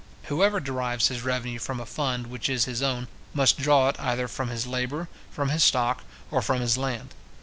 Whoever derives his revenue from a fund which is his own, must draw it either from his labour, from his stock, or from his land.